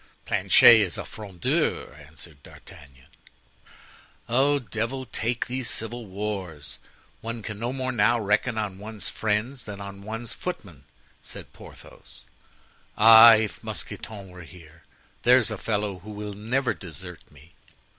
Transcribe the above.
"Planchet is a Frondeur," answered D'Artagnan. "Devil take these civil wars! one can no more now reckon on one's friends than on one's footmen," said Porthos. "Ah! if Mousqueton were here! there's a fellow who will never desert me!"